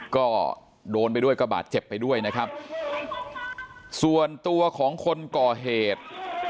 ก็โดนไปด้วยก็บาดเจ็บไปด้วยนะครับส่วนตัวของคนก่อเหตุ